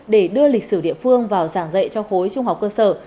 để đưa lịch sử địa phương vào giảng dạy cho khối trung học cơ sở